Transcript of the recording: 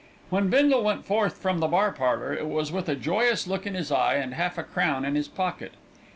When Bindle went forth from the bar parlour it was with a joyous look in his eye and half a crown in his pocket.